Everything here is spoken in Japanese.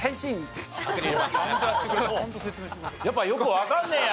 やっぱよくわかんねえや！